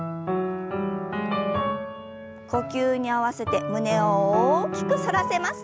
呼吸に合わせて胸を大きく反らせます。